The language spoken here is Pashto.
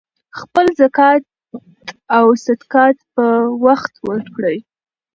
خپل زکات او صدقات په وخت ورکړئ.